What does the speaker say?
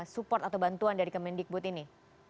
support atau bantuan dari kementerian dikbut ini